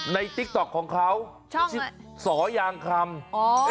ในติ๊กต๊อกของเขาสอยางคำ